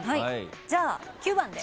じゃあ９番で。